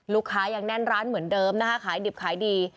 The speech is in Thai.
ยังแน่นร้านเหมือนเดิมนะคะขายดิบขายดี